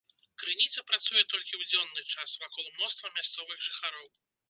Крыніца працуе толькі ў дзённы час, вакол мноства мясцовых жыхароў.